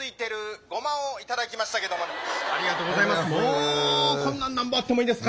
もうこんなのなんぼあってもいいですから。